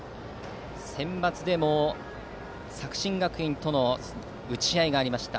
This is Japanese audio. センバツでも作新学院との打ち合いがありました。